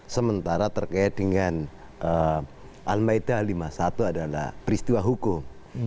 sementara terkait dengan al ma'idah lima puluh satu adalah peristiwa hukum